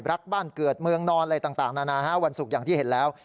รักบ้านเกิดเมืองนอนอะไรต่างนานาวันศุกร์อย่างที่เห็นแล้ว